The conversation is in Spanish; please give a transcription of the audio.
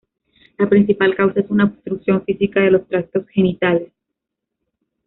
La principal causa es una obstrucción física de los tractos genitales.